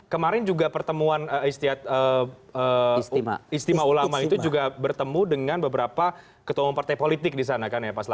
kemarin juga pertemuan istima ulama itu juga bertemu dengan beberapa ketua partai politik di sana kan ya